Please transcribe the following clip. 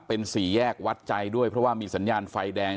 เป็นสี่แยกวัดใจด้วยเพราะว่ามีสัญญาณไฟแดง